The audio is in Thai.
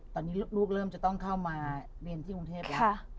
ตอนนี้ลูกเริ่มจะต้องเข้ามาเรียนที่กรุงเทพแล้ว